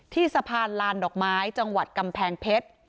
สะพานลานดอกไม้จังหวัดกำแพงเพชร